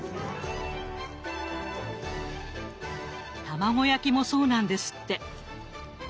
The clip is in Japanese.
卵焼きもそうなんですって。